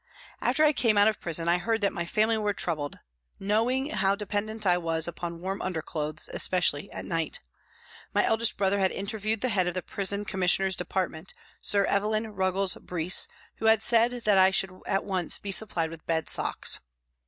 After I came out of prison I heard that my family were troubled, knowing how dependent I was upon warm underclothes, especially at night. My eldest brother had interviewed the head of the Prison Commissioners Department, Sir Evelyn Ruggles Brise, who had said that I should at once be supplied with bed socks.